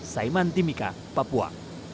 saiman timika papua